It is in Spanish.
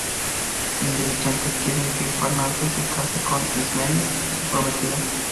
Mitrídates quiere que Farnaces se case con Ismene, su prometida.